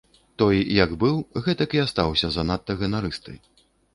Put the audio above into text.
Той як быў, гэтак і астаўся занадта ганарысты.